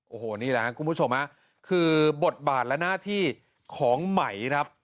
โอ้โหนี่แหละครับคุณผู้ชมคือบทบาทและหน้าที่ของไหมครับ